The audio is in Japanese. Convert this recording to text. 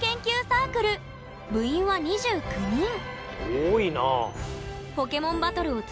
多いなあ。